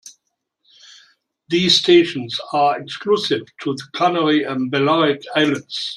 These stations are exclusive to the Canary and Balearic Islands.